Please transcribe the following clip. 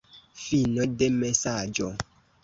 Fino de mesaĝo.